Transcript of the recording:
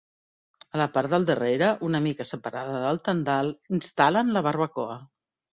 A la part del darrere, una mica separada del tendal, instal·len la barbacoa.